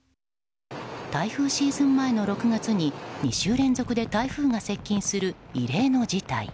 台風シーズン前の６月に２週連続で台風が接近する異例の事態。